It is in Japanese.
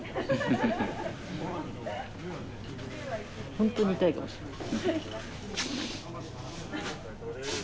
ほんとに痛いかもしれない。